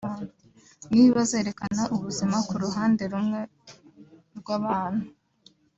niba zerekana ubuzima ku ruhande rumwe rw’abantu